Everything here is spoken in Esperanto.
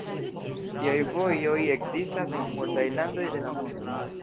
Tiaj vojoj ekzistas en multaj landoj de la mondo.